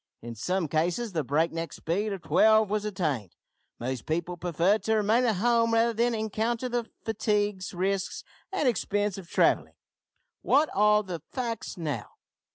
In some cases the break neck speed of twelve was attained. Most people preferred to remain at home rather than encounter the fatigues, risks, and expense of travelling. What are the facts now?